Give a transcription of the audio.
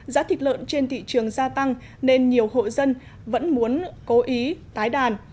giá thịt lợn trên thị trường gia tăng nên nhiều hộ dân vẫn muốn cố ý tái đàn